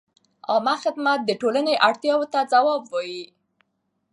عامه خدمت د ټولنې اړتیاوو ته ځواب وايي.